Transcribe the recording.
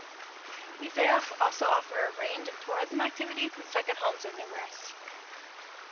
Yzeures also offers a range of tourism activities and second homes are numerous.